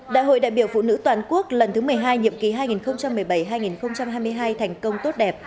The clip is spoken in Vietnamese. đại hội đại biểu phụ nữ toàn quốc lần thứ một mươi hai nhiệm kỳ hai nghìn một mươi bảy hai nghìn hai mươi hai thành công tốt đẹp